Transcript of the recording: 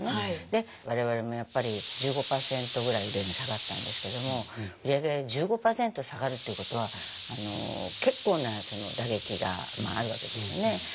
で我々もやっぱり１５％ぐらい売り上げが下がったんですけども売り上げが１５％下がるっていうことは結構な打撃があるわけですよね。